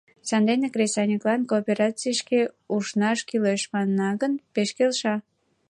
Сандене кресаньыклан кооперацийышке ушнаш кӱлеш манына гын, пеш келша.